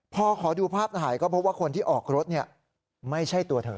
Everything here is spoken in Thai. พอขอดูภาพถ่ายก็พบว่าคนที่ออกรถไม่ใช่ตัวเธอ